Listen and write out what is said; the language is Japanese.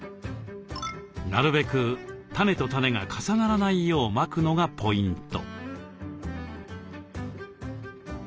なるべく種と種が重ならないようまくのがポイント。